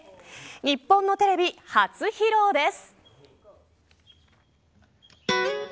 日本のテレビ初披露です。